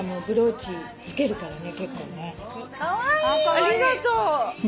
ありがとう私も。